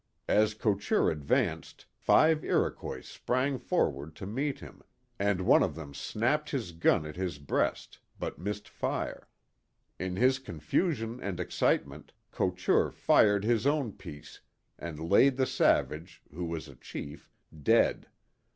As Couture advanced, five Iroquois sprang forward to meet him, and one of them snapped his gun at his breast, but missed fire. In his confusion and excitement, Couture fired his own piece and laid the savage, who was a chief, dead.